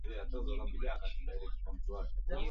Baadaye alisema goli hilo lilitokana na kuupiga mpira kwa